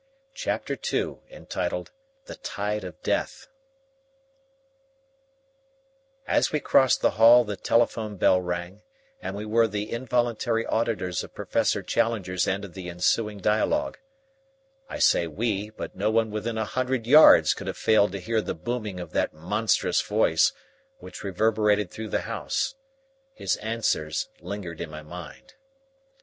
Chapter II THE TIDE OF DEATH As we crossed the hall the telephone bell rang, and we were the involuntary auditors of Professor Challenger's end of the ensuing dialogue. I say "we," but no one within a hundred yards could have failed to hear the booming of that monstrous voice, which reverberated through the house. His answers lingered in my mind.